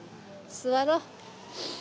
座ろう。